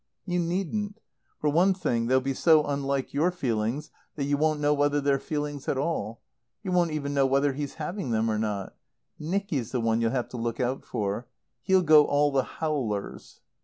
"You needn't. For one thing, they'll be so unlike your feelings that you won't know whether they're feelings at all. You won't even know whether he's having them or not. Nicky's the one you'll have to look out for. He'll go all the howlers."